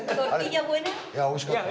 おいしかった。